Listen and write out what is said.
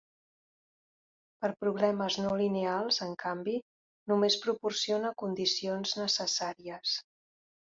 Per problemes no lineals, en canvi, només proporciona condicions necessàries.